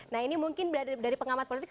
nah ini mungkin dari pengamat politik